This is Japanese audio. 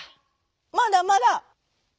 「まだまだ」。